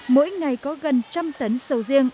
mỗi ngày có gần một trăm linh tấn sầu riêng